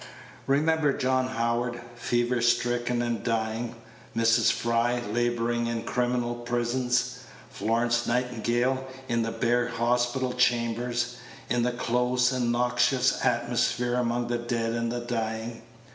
Remember John Howard, fever stricken and dying, Mrs. Fry, laboring in criminal prisons, Florence Nightingale, in the bare hospital chambers, in the Page 133 close and noxious atmosphere among the dead and the dying.